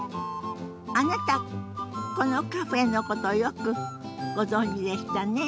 あなたこのカフェのことよくご存じでしたね。